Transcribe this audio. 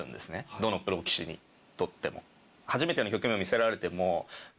どのプロ棋士にとっても。